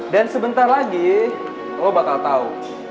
dan sebentar lagi lo bakal tau